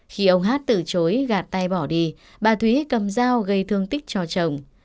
khi ông hát từ chối gạt tay bỏ đi bà thúy cầm dao gây thương tích cho chồng